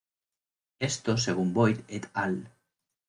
Esto según Boyd "et al.